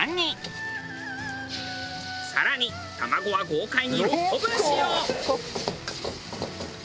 更に卵は豪快に６個分使用。